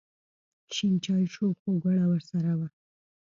شین چای شو خو ګوړه ورسره وه.